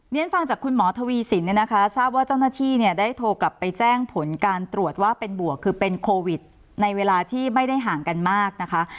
เรียนฟังจากคุณหมอทวีสินเนี่ยนะคะทราบว่าเจ้าหน้าที่เนี่ยได้โทรกลับไปแจ้งผลการตรวจว่าเป็นบวกคือเป็นโควิดในเวลาที่ไม่ได้ห่างกันมากนะคะ